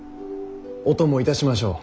お供いたしましょう。